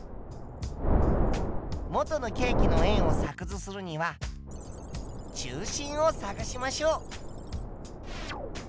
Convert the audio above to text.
元のケーキの円を作図するには中心を探しましょう。